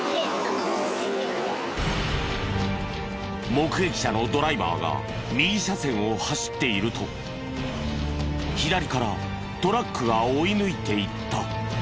目撃者のドライバーが右車線を走っていると左からトラックが追い抜いていった。